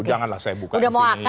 janganlah saya buka di sini